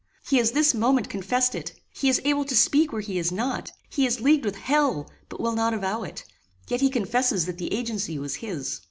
He has this moment confessed it. He is able to speak where he is not. He is leagued with hell, but will not avow it; yet he confesses that the agency was his."